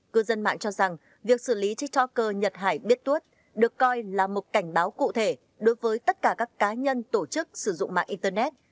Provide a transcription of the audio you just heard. cư dân mạng cho rằng việc xử lý tiktoker nhật hải biết tuốt được coi là một cảnh báo cụ thể đối với tất cả các cá nhân tổ chức sử dụng mạng internet